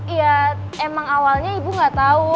ya emang awalnya ibu gak tau